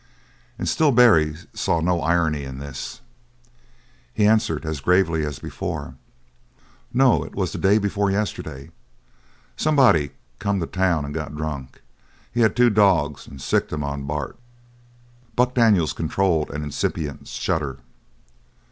And still Barry saw no irony in this. He answered, as gravely as before: "No, it was the day before yesterday. Somebody come to town and got drunk. He had two dogs, and sicked 'em on Bart." Buck Daniels controlled an incipient shudder.